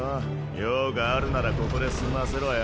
用があるならここで済ませろよ